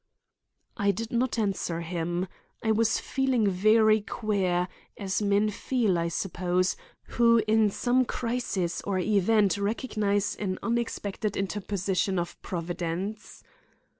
I did not answer him. I was feeling very queer, as men feel, I suppose, who in some crisis or event recognize an unexpected interposition of Providence.